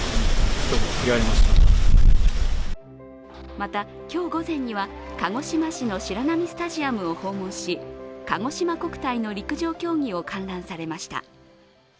また、今日午前には鹿児島市の白波スタジアムを訪問しかごしま国体の陸上競技を観覧されました。